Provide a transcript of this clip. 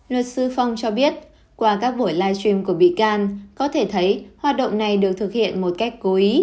luật sư phong cho biết qua các buổi live stream của bị can có thể thấy hoạt động này được thực hiện một cách cố ý